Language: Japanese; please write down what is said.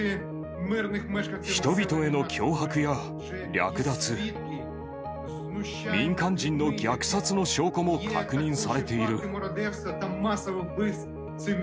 人々への脅迫や略奪、民間人の虐殺の証拠も確認されている。